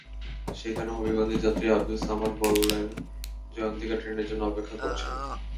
সেখানে হবিগঞ্জের যাত্রী আবদুস সামাদ বললেন, জয়ন্তিকা ট্রেনের জন্য অপেক্ষা করছেন।